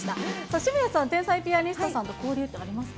渋谷さん、天才ピアニストさんと、交流ってありますか？